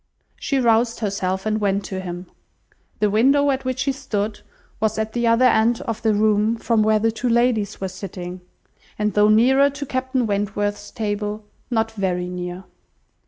She roused herself and went to him. The window at which he stood was at the other end of the room from where the two ladies were sitting, and though nearer to Captain Wentworth's table, not very near.